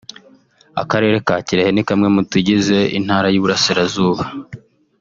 Akarere ka Kirehe ni kamwe mu tugize Intara y’Iburasirazuba